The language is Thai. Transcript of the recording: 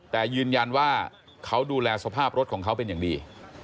แต่ยืนยันว่าเขาดูแลสภาพรถของเขาเป็นอย่างดี